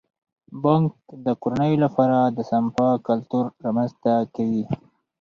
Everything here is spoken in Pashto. بانک د کورنیو لپاره د سپما کلتور رامنځته کوي.